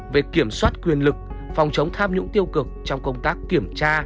về kiểm soát quyền lực phòng chống tham nhũng tiêu cực trong công tác kiểm tra